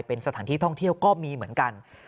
เป็นสถานที่ท่องเที่ยวก็มีเหมือนกัน